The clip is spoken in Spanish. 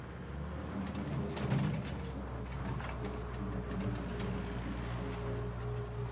El campeón fue Gamba Osaka, tras vencer en la final a Kawasaki Frontale.